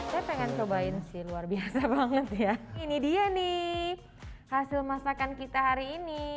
saya pengen cobain sih luar biasa banget ya ini dia nih hasil masakan kita hari ini